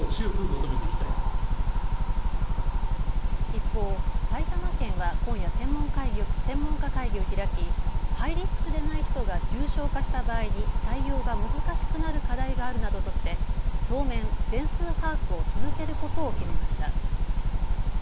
一方、埼玉県は今夜、専門家会議を開きハイリスクでない人が重症化した場合に対応が難しくなる課題があるなどとして当面、全数把握を続けることを決めました。